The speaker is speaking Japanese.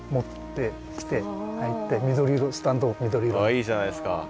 いいじゃないですか。